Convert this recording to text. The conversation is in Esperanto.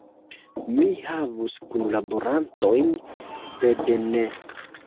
Mi havus kunlaborantojn, sed ne.